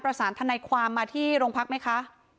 ประสานทันัยความมาที่โรงพักษณ์ไหมคะ